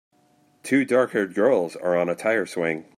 Two darkhaired girls are on a tire swing.